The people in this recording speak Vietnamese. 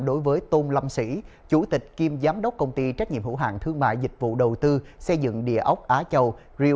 đối với tôn lâm sĩ chủ tịch kiêm giám đốc công ty trách nhiệm hữu hạng thương mại dịch vụ đầu tư xây dựng địa ốc á châu